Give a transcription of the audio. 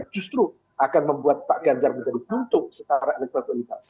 justru akan membuat pak gajar menjadi kutub secara elektronik